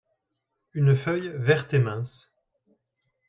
une feuille verte et mince.